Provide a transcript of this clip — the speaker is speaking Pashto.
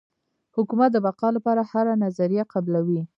حکومت د بقا لپاره هره نظریه قبلوي.